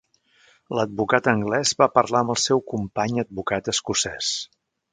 L'advocat anglès va parlar amb el seu company advocat escocès.